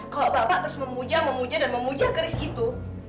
kalau bapak terus memuja memuja dan memuja keris itu